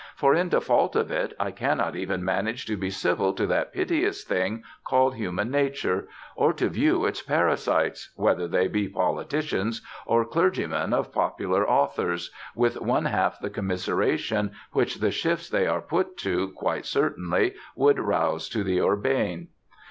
For in default of it, I cannot even manage to be civil to that piteous thing called human nature, or to view its parasites, whether they be politicians or clergymen or popular authors, with one half the commiseration which the shifts they are put to, quite certainly, would rouse in the urbane....